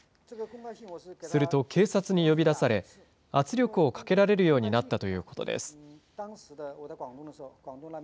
すると警察に呼び出され、圧力をかけられるようになったということです。